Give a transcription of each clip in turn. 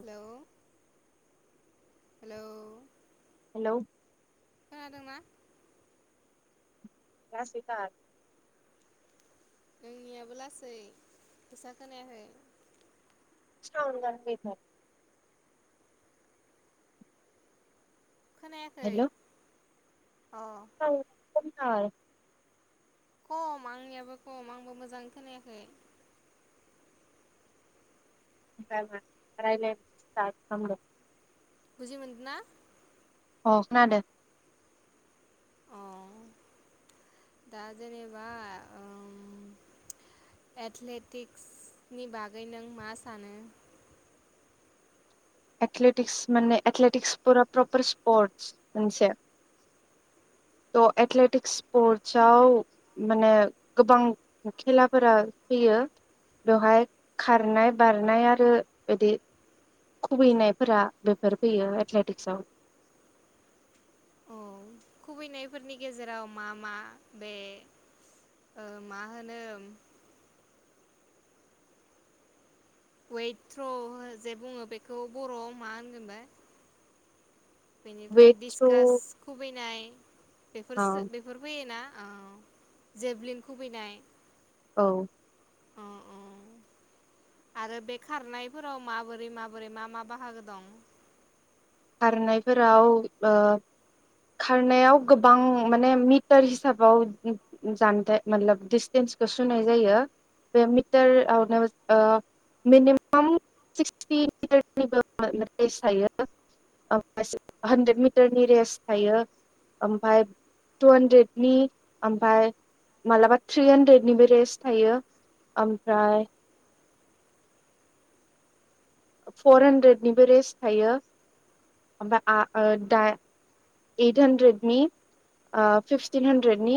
Hello hello खोनादोंना? लासैथार नोंनियाबो लासै गोसा खोनायाखै [unintelligible] खोनायाखै। हेल' अ अ। [unintelligible] कम आंनियाबो कम आंबो मोजाङै खोनायाखै। [unintelligible] बुजि मोनदना? अ खोनादो अ दा जेनेबा ओम एथलेटिक्सनि बागै नों मा सानो? एथलेटिक्स माने एथलेटिक्सफोरा प्रपार स्पर्टस मोनसे त' एथलेटिक्स स्पर्टसव माने गोबां खेलाफोरा फैयो बेवहाय खारनाय बारनाय आरो बिदि खुबैनायफोरा बेफोर फैयो एथलेटिक्सआव। औ खुबैनायफोरनि गेजेराव मा मा बे ओ मा होनोम वेट थ्र' जे बुङो बेखौ बर'आव मा होनगोनबा? बेनिफ्राय वेट थ्रु डिसकास खुबैनाय औ बेफोरसो बेफोर फैयोना? आव जेभलिन खुबैनाय औ। अ अ आरो बे खारनायफोराव माबोरै माबोरै मा मा बाहागो दं? खारनायफोराव ओ खारनायाव गोबां माने मिटार हिसाबाव उम उम जानथाय मातलोब दिडस्टेन्सखौ सुनाय जायो बे मिटारावनो ओ मिनिमाम सिक्सटि मिटारनिबो मातलोब पेस थायो ओम हानद्रेद मिटारनि रेस थायो ओमफफ्राय टु हानद्रेदनि ओमफफ्राय मालाबा थ्रि हानद्रेदनिबो रेस थायो ओमफ्राय फर हानद्रेदनिबो रेस थायो ओमफ्राय दा ओइट हानड्रेदनि फिफटिन हानद्रेदनि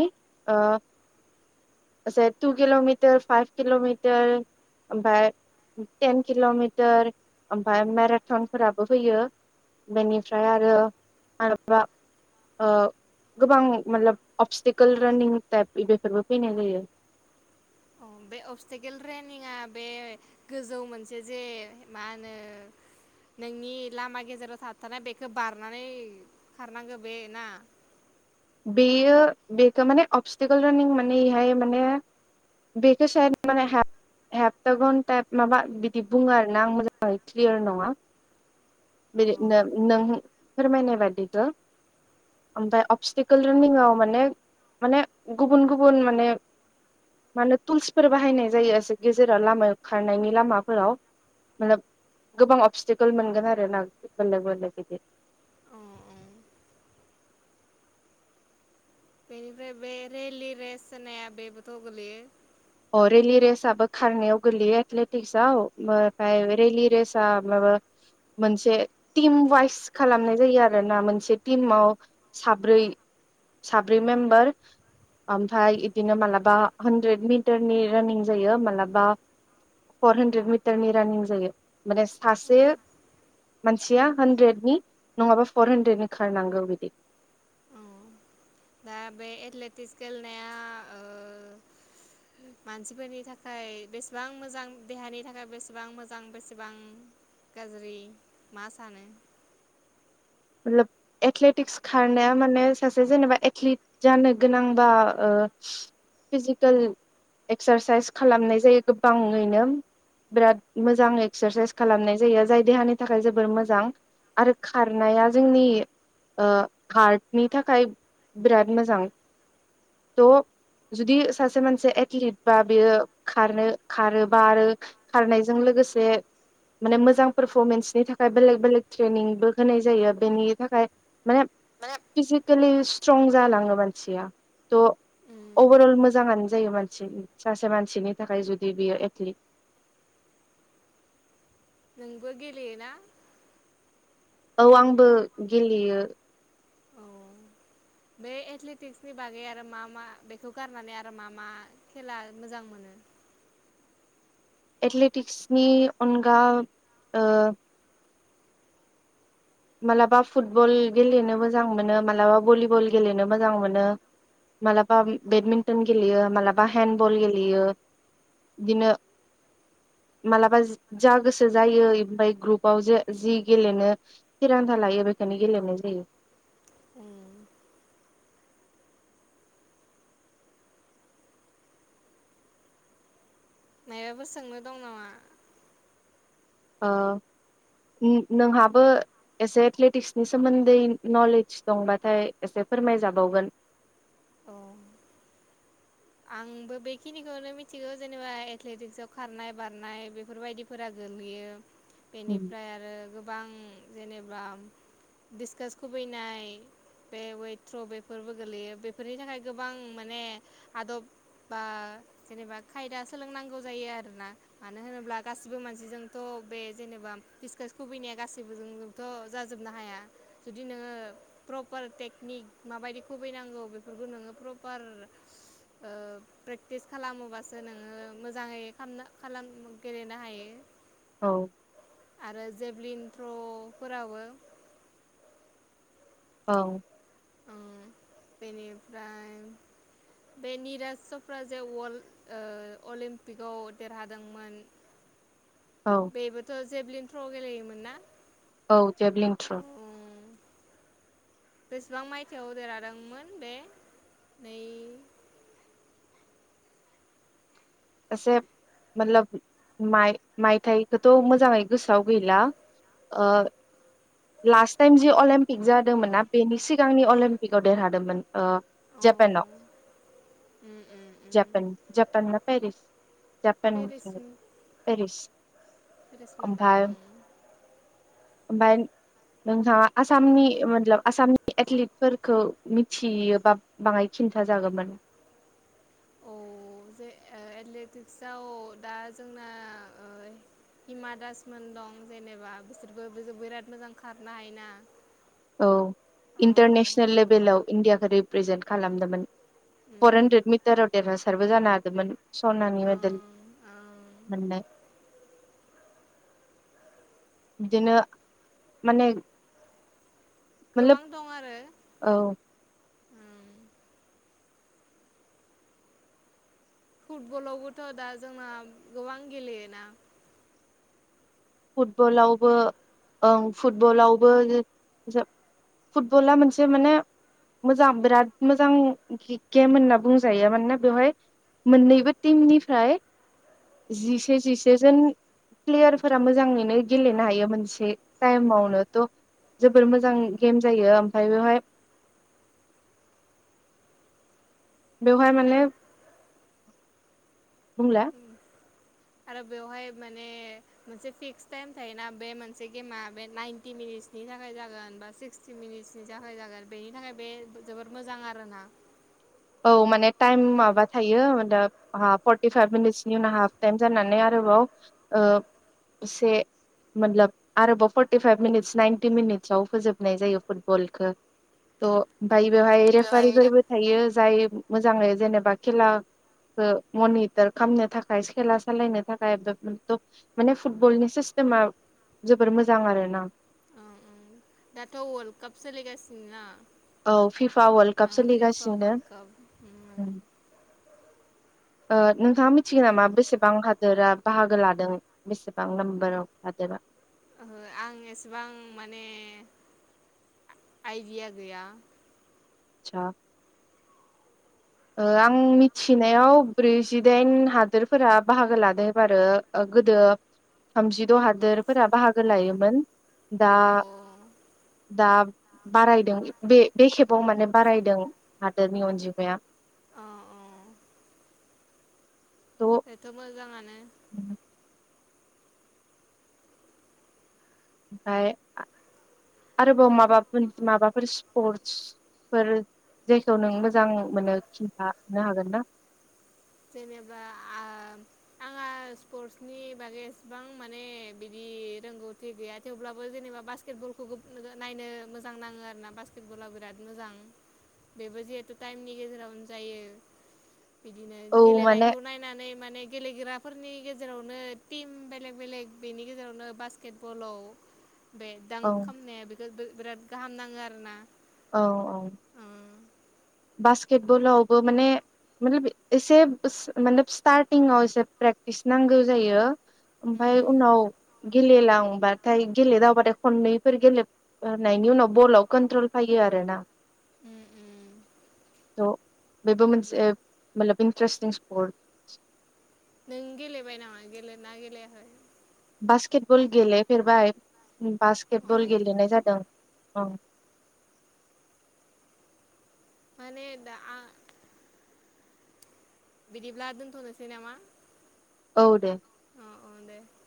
ओ टु किल'मिटार फाइभ किल'मिटार ओमफाय टेन किल'मिटार ओमफाय मेराथनफोराबो फैयो बेनिफ्राय आरो माबलाबा ओ गोबां मोटलोब माबलाब अबस्टिकेल रानिं टाइप बेफोरबो फैनाय जायो। अ बे अबस्टिकेल रेनिंआ बे गोजौ मोनसे जे मा होनो नोंनि लामा गेजेराव थाबथानाय बेखौ बारनानै खारनांगौ बे ना बेयो बेथ' माने अबस्टिकेल रानिं माने एहाय माने बेखो सायोड माने हेपथागन टाइप माबा बिदि बुङो आरोना आं मोजाङै क्लियार नङा औ बिदि नों नों फोरमायनाय बादिखौ ओमफाय अबस्टिक कोल रोनिंआव माने माने गुबुन गुबुन माने मानो टुल्सफोर बाहायनाय जायो ओसे गेजेराव लामायाव खारनायनि लामाफोराव मतलब गोबां अबस्टिकेल मोनगोन आरो ना बेलेक बेलेक बिदि। औ बेनिफ्राय बे रेलि रेस होननाया बेबोथ' गोलैयो। अ रेलि रेसआबो खारनायाव गोग्लैयो एथलेटिक्सआव ओ फाय रेलि रेस आ माबा मोनसे टिम वाइस खालामनाय जायो आरोना मोनसे टिमआव साब्रै साब्रै मेम्बार ओमफाय इदिनो मालाबा हानड्रेड मि टारनि रानिं जायो मालाबा फर हानड्रेद मिटारनि रानिं जायो माने सासे मानसिया हानड्रेदनि नङाबा फर हानड्रेदनि खारनांगौ बिदि। औ दा बे एथलेटिक्स गेलेनाया ओ मानसिफोरनि थाखाय बेसेबां मोजां देहानि थाखाय बेसेबां मोजां बेसेबां गाज्रि मा सानो? मतलब एथलेटिक्स खारनाया माने सासे जेनेबा एथलिट जानो गोनांबा ओ फिजिकेल एक्सारसाइस खालामनाय जायो गोबाङैनो बिराद मोजां एक्सारसाइस खालामनाय जायो जाय देहानि थाखाय जोबोर मोजां आरो खारनाया जोंनि ओ हार्टनि थाखाय बिराद मोजां त' जुदि सासे मानसि एथलिट बा बेयो खारनो खारो बा आरो खारनायजों लोगोसे माने मोजां पारफरमेन्सनि थाखाय बेलेक बेलेक ट्रेनिंबो होनाय जायो बेनि थाखाय माने फिजेकेलि स्ट्रं जालाङो मानसिया ट' उम अभारअल मोजाङानो जायो मानसि सासे मानसिनि थाखाय जुदि बियो एथलिट नोंबो गेलेयोना? औ आंबो गेलेयो। औ बे एथलेटिक्सनि बागै आरो मा मा बेखौ गारनानै आरो मा मा खेला मोजां मोनो? एथलेटिक्सनि अनगा ओ मालाबा फुटबल गेलेनो मोजां मोनो मालाबा भलिबल गेलेनो मोजां मोनो मालाबा बेडमिन्टन गेलेयो मालाबा हेन्दबल गेलेयो दिनो मालाबा जा गोसो जायो ओमफाय ग्रुपाव जे जि गेलेनो थिरांथा लायो बेखोनो गेलेनाय जायो। उम मायबाबो सोंनो दं नामा? ओ उम नोंहाबो एसे एथलेटिक्सनि सोमोन्दै नलेज दंबाथाय एसे फोरमायजाबावगोन। अ आंबो बेखिनिखौनो मिथिगौ जेनेबा एथलेटिक्सआव खारनाय बारनाय बेफोरबायदिफोरा गोलैयो। बेनिफ्राय आरो गोबां जेनेबा डिसकास खुबैनाय बे वेथ्र' बेफोरबो गोलैयो बेफोरनि थाखाय गोबां माने आदब बा जेनेबा खायदा सोलोंनांगौ जायो आरोना मानो होनोब्ला गासिबो मानसिजोंथ' बे जेनेबा डिसकास खुबैनाया गासैबोजोंथ' जाजोबनो हाया जुदि नोङो प्रपार टेकनिक माबायदि खुबैनांगौ बेफोरखौ नोङो प्रपार ओ प्रेक्टिस खालामोबासो नोङो मोजाङै खामनो खालाम गेलेनो हायो। औ आरो जेभलिन थ्र' फोराबो औ ओ बेनिफ्राय बे निराज चप्रा जे वल्ड अलिम्पिकआव देरहादोंमोन। औ बेबोथ' जेभलिन थ्र' गेलेयोमोन ना? औ जेभलिन थ्र। ओम बेसेबां मायथाइयाव देरहादोंमोन बे नै एसे मतलब माय मायथाइखौथ' मोजाङै गोसोआव गैला ओ लास्ट टाइम जि अलिम्पिक जादोंमोनना बेनि सिगांनि अलिम्पिकआव देरहादोंमोन। ओ अ जापानाव उम उम उम Japan Japan Paris Japan Paris Paris Paris मोनदां ओमफाय ओं ओमफाय नोंथाङा आसामनि मतलब आसामनि एथलिटफोरखौ मिथियोबा बाङाय खिन्था जागोमोन। औ जे ओ एथलेटिक्सआव दा जोंना ओ हिमा दास मोन दं जेनेबा बिसोरबो बिराद मोजां खारनो हायोना। औ अ इन्टारनेसनेल लेभेलाव इण्डिया रिप्रेजेन्ट खालामदोमोन। फर उम हान्ड्रेड मिटाराव देरहास सारबो जानो हादोमोन। सनानि मेदेल ओं ओं मोननाय बिदिनो माने मतलब गोबां दं आरो औ ओं फुटबलावबोथ दा जोना गोबां गेलेयोना फुटबलावबो ओं फुटबलावबो जो फुटबला मोनसे माने मोजां बिराद मोजां गे-गेम होनना बुंजायो मानोना बेवहाय मोननैबो टिमनिफ्राय जिसे जिसेजोन प्लेयार फोरा मोजांमोनो गेलेनो हायो मोनसे टाइम आवनो त जोबोर मोजां गेम जायो ओमफ्राय बेवहाय बेवहाय आरो माने बुंला आरो बेवहाय माने मोनसे फिक्स टाइम थायोना बे मोनसे गेमा बे नाइनटि मिनिटसनि थाखाय जागोन बा सिक्सटि मिनिटसनि थाखाय जागोन बेनि थाखाय बे जोबोर मोजां आरोना। औ माने टाइम उम माबा थायो [unintelligible] अहा फर्टिफाइभ मिनिट्सनि उनाव हाफ टाइम जानानै आरोबाव ओ एसे मत्लब आरोबाव फर्टिफाइभ मिनिटस नाइनटि मिनिट्सआव फोजोबनाय जायो फुटबलखौ थ' फाय बेवहाय बेवहाय रेफारिफोरबो थायो जाय मोजाङै जेनेबा खेलाखो मनिटार खामनो थाखाय खेला सालायनो थाखाय [inaudible] माने फुटबलनि सिस्तेमा जोबोर मोजां आरोना। ओं ओं दाथ वाल्ड काप सोलि गासिन ना। औ फिफा वल्ड काप सोलिगासिनो। वर्ल्ड काप ओम ओ नोंथाङा मिथिगोन नामा बेसेबां हादोरा बाहागो लादों? बेसेबां नाम्बाराव हादोरा ओहो आं एसेबां माने आ-आइडिया गैया। सा ओ आं मिथिनायाव ब्रैजिदाइन हादोरफोरा बाहागो लादो एबारो गोदो थामजिद हादोरफोरा बाहागो लायोमोन। अ दा दा बारायदों बे बे खेबाव माने बारायदों हादोरनि अनजिमाया। अ अ थ' बेथ मोजाङा [inaudible] ओमफाय आ-आरोबाव माबाफोर माबाफोर स्पर्टसफोर जायखौ नों मोजां मोनो खिन्थानो हागोन ना? जेनेबा आ-आंहा स्पर्टसनि बागै एसेबां माने बिदि रोंगौथि गैया थेवब्लाबो जेनेबा बास्केटबलखौ नायनो मोजां नाङो आरोना बास्केट बला बिराद मोजां बेबो जिहेतु टाइमनि गेजेरावनो जायो बिदिनो औ माने गेलेनायखौ नायनानै माने गेलेग्राफोर नि गेजेरावनो टिम बेलेग बेलेग बेनि गेजेरावनो बास्केटबलाव बे दां औ खामनाया बेखो बो बिराद गाहाम नाङो आरो ना औ औ बास्केटबलावबो माने [inaudible] एसे स माने स्टारटिंआव एसे प्रेक्टिस नांगौ जायो। ओमफाय उम उनाव गेलेलांबाथाय गेलेदावबाथाय खननैफोर गेलेबनायनि उनाव बलाव कन्ट्रल फैयो आर ना। उम उम त बेबो मोनसे मा इन्टारेस्टिं स्पर्टस नों गेलेबाय नामा गेले ना गेलेयाखै? बास्केट बल गेलेफेरबाय बास्केट अ बल गेलेनाय जादों। माने दा आ बिदिब्ला दोनथनोसै नामा? औ दे अ अ दे